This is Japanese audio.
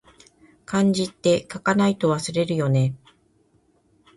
漢字って、書かないと忘れるよね